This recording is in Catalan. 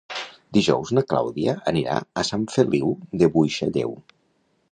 Dijous na Clàudia anirà a Sant Feliu de Buixalleu.